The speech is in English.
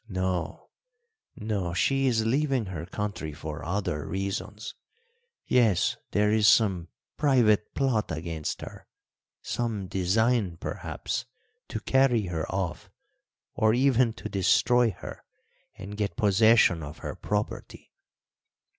No, no, she is leaving her country for other reasons. Yes, there is some private plot against her; some design, perhaps, to carry her off, or even to destroy her and get possession of her property.